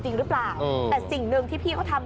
ถึงหรือเปล่าแต่สิ่งนึงที่พี่ก็ทำ